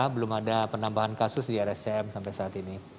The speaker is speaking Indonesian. belum ada penambahan kasus di rscm sampai saat ini